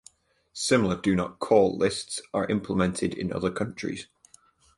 Similar do not call lists are implemented in other countries.